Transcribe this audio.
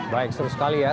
baik seru sekali ya